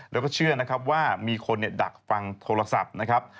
แล้วก็เชื่อนะครับว่ามีคนดักฟังโทรศัพท์นะครับ